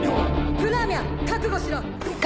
プラーミャ覚悟しろ！